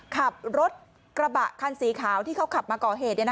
ขับรถกระบะคันสีขาวที่เขาขับมาก่อเหตุ